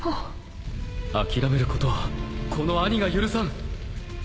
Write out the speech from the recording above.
諦めることはこの兄が許さん